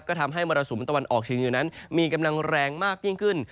ก็ทำให้มรสุมตะวันออกเชียงเหนือนั้นมีกำลังแรงมากยิ่งขึ้น